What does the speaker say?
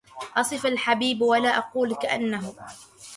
أصف الحبيب ولا أقول كأنه